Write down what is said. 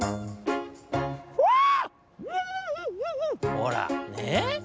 「ほらねえ？